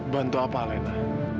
bantu apa elena